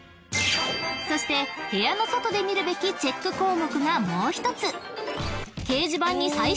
［そして部屋の外で見るべきチェック項目がもう一つ］